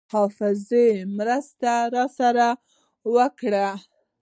حافظې مرسته راسره وکړه.